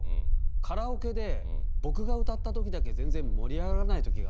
カラオケで僕が歌った時だけ全然盛り上がらない時があって。